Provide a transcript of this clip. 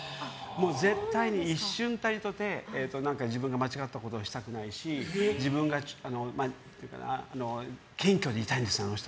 絶対に一瞬たりとて、自分が間違ってることをしたくないし謙虚でいたいんです、あの人。